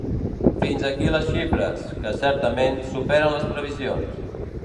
Fins aquí les xifres, que, certament, superen les previsions.